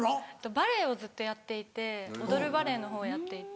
バレエをずっとやっていて踊るバレエのほうやっていて。